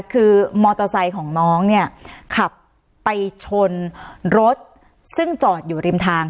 คือมอเตอร์ไซค์ของน้องเนี่ยขับไปชนรถซึ่งจอดอยู่ริมทาง